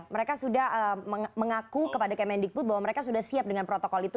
mereka sudah mengaku kepada kemendikbud bahwa mereka sudah siap dengan protokol itu